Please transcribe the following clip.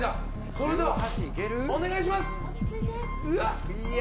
それでは、お願いします！